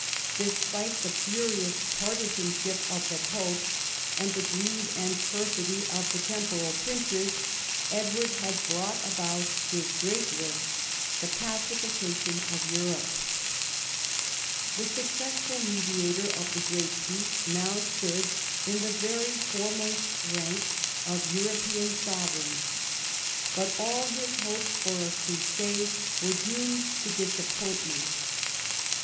Despite the furious partisanship of the popes and the greed and perfidy of the temporal princes, Edward had brought about his great work, the pacification of Europe. The successful mediator of the great peace now stood in the vcvy foremost rank of European sovereigns. But all his hopes for a Crusade were doomed to disappointment.